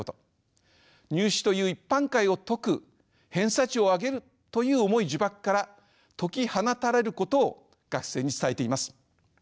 入試という一般解を解く偏差値を上げるという重い呪縛から解き放たれることを学生に伝えています。